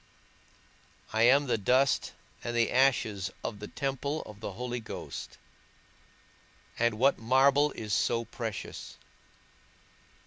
I am the dust and the ashes of the temple of the Holy Ghost, and what marble is so precious?